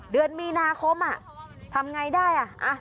เดือนมีนาคมทำไงได้อ่ะ